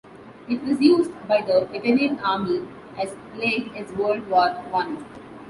It was used by the Italian Army as late as World War One.